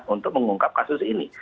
untuk mengungkap kasus ini